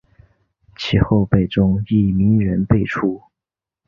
其后辈中亦名人辈出。